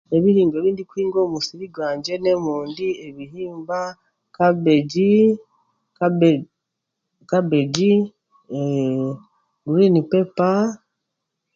Ebihingwa ebi ndikuhinga omu musiri gwangye n'emondi, ebihimba, kabegi, kabe, kabegi, mmm guriini pepa,